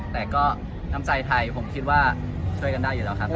แต่ก็น้ำใจไทยผมคิดว่าช่วยกันได้อยู่แล้วครับ